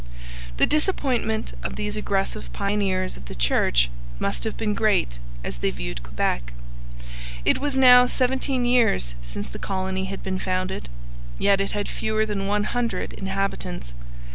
The disappointment of these aggressive pioneers of the Church must have been great as they viewed Quebec. It was now seventeen years since the colony had been founded; yet it had fewer than one hundred inhabitants.